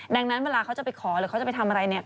ดังนั้นเวลาเขาจะไปขอหรือเขาจะไปทำอะไรเนี่ย